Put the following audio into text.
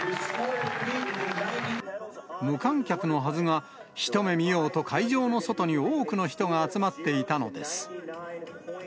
無観客のはずが、一目見ようと会場の外に多くの人が集まっていたのです。